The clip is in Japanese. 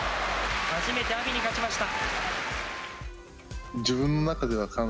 初めて阿炎に勝ちました。